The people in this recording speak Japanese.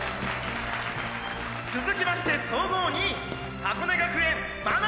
「つづきまして総合２位箱根学園真波